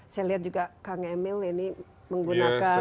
saya lihat juga kang emil ini menggunakan